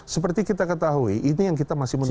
seperti kita ketahui ini yang kita masih menunggu